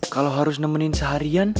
kalau harus nemenin seharian